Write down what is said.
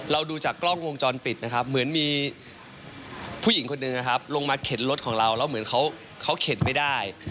ดูจากกล้องวงจรปิดนะครับเหมือนมีผู้หญิงคนหนึ่งนะครับลงมาเข็นรถของเราแล้วเหมือนเขาเข็นไม่ได้